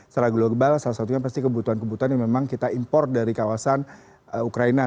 secara global salah satunya pasti kebutuhan kebutuhan yang memang kita import dari kawasan ukraina